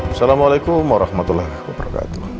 assalamualaikum warahmatullahi wabarakatuh